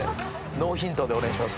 ノーヒントでお願いします。